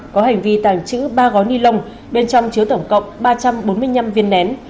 có hành vi tàng trữ ba gói ni lông bên trong chứa tổng cộng ba trăm bốn mươi năm viên nén